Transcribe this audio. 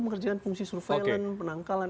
mengerjakan fungsi surveillance penangkalan